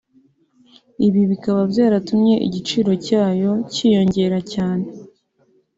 ibi bikaba byaratumye igiciro cyayo cyiyongera cyane